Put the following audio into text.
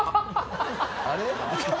あれ？